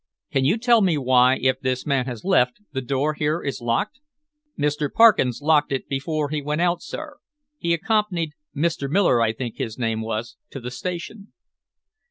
"Can you tell me why, if this man has left the door here is locked?" "Mr. Parkins locked it before he went out, sir. He accompanied Mr. Miller, I think his name was to the station."